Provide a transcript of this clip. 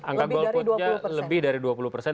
angka golputnya lebih dari dua puluh persen